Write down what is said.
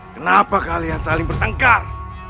kenapa kalian saling bertengkar